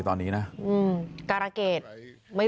ต้องเลี้ยงเหรนเนาะ